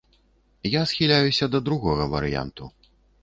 Я схіляюся да другога варыянту.